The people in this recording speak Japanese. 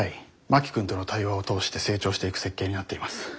真木君との対話を通して成長していく設計になっています。